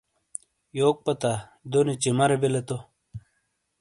یوک پتا، دونی چِیمارے بِیلے تو۔